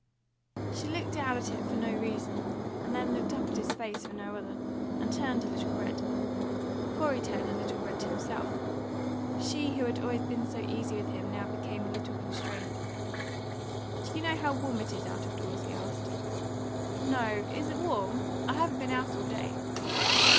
She looked down at it for no reason, and then looked up at his face for no other, and turned a little red. Corey turned a little red himself. She who had always been so easy with him now became a little constrained. "Do you know how warm it is out of doors?" he asked. "No, is it warm? I haven't been out all day."